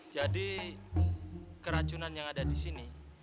jadi keracunan yang ada di sini